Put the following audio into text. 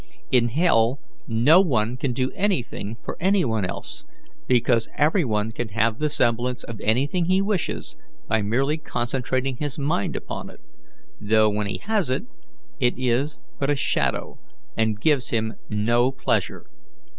In hell no one can do anything for any one else, because every one can have the semblance of anything he wishes by merely concentrating his mind upon it, though, when he has it, it is but a shadow and gives him no pleasure.